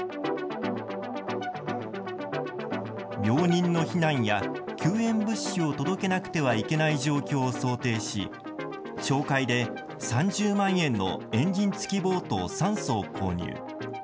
病人の避難や救援物資を届けなくてはいけない状況を想定し、町会で３０万円のエンジン付きボートを３そう購入。